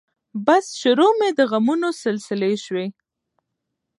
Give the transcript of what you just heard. بس شروع مې د غمونو سلسلې شوې